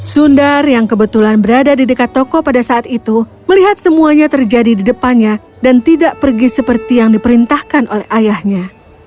sundar yang kebetulan berada di dekat toko pada saat itu melihat semuanya terjadi di depannya dan tidak pergi seperti yang diperintahkan oleh ayahnya